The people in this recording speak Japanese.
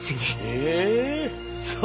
え！